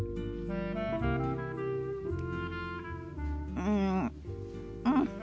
うんうん。